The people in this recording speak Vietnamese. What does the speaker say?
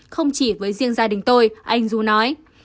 không chỉ với riêng gia đình tôi anh du nói